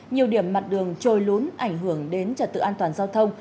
nhiều điểm mặt đường trồi lún ảnh hưởng đến trật tự an toàn giao thông